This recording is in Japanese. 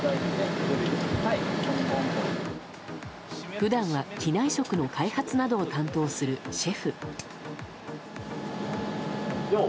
普段は機内食などの開発などを担当するシェフ。